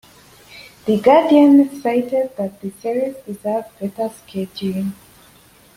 "The Guardian" cited that the series deserved better scheduling.